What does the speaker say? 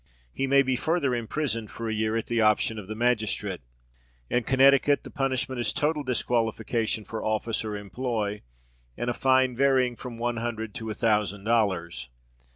He may be further imprisoned for a year, at the option of the magistrate. In Connecticut the punishment is total disqualification for office or employ, and a fine varying from one hundred to a thousand dollars.